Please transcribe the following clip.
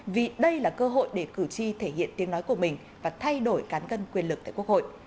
vì đây là cơ hội để cử tri thể hiện tiếng nói của mình và thay đổi cán cân quyền lực tại quốc hội